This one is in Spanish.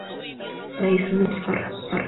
De ahí su nombre: "Butifarra!